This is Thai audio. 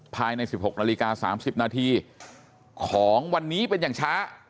ภายใน๑๖นาฬิกา๓๐นาทีของวันนี้เป็นอย่างช้า